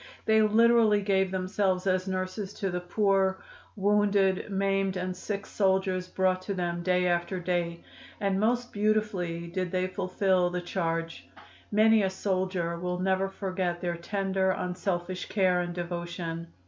They literally gave themselves as nurses to the poor, wounded, maimed and sick soldiers brought to them day after day. And most beautifully did they fulfill the charge. Many a soldier will never forget their tender, unselfish care and devotion.